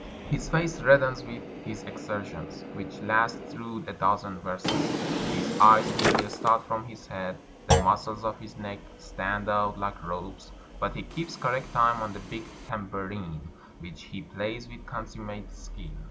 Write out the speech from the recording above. His face reddens with his exertions, which last through a dozen verses. His eyes nearly start from his head, the muscles of his neck stand out like ropes; but he keeps correct time on the big tambourine, which he plays with consummate skill.